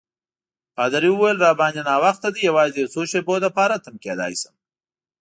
پادري وویل: راباندي ناوخته دی، یوازې د یو څو شېبو لپاره تم کېدای شم.